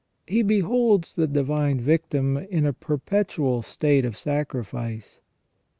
He beholds the Divine Victim in a perpetual state of sacrifice.